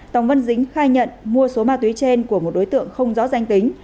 tòng văn dính khai nhận mua số ma túy trên của một đối tượng không rõ danh tính